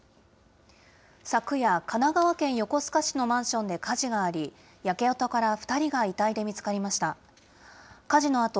昨夜、神奈川県横須賀市のマンションで火事があり、焼け跡から２人が遺体で見つかりました。